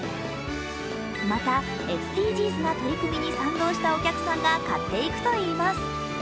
また、ＳＤＧｓな取り組みに賛同したお客さんが買っていくといいます。